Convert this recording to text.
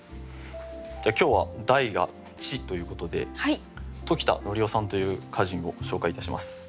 今日は題が「地」ということで時田則雄さんという歌人を紹介いたします。